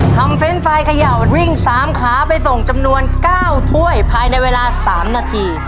เฟรนด์ไฟล์เขย่าวิ่ง๓ขาไปส่งจำนวน๙ถ้วยภายในเวลา๓นาที